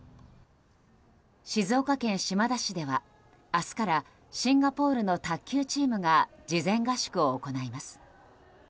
静岡県島田市では明日からシンガポールの卓球チームが事前合宿を行います。